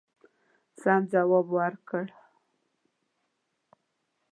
سم جواب ورکړ.